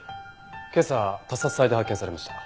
今朝他殺体で発見されました。